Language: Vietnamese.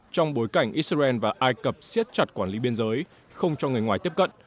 trong bối cảnh israel và ai cập siết chặt quản lý biên giới không cho người ngoài tiếp cận